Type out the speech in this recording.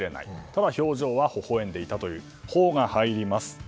ただ表情はほほ笑んでいたという「ホ」が入ります。